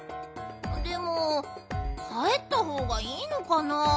でもかえったほうがいいのかなあ。